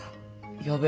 やべえ。